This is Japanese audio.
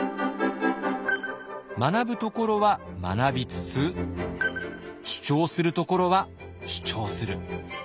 学ぶところは学びつつ主張するところは主張する。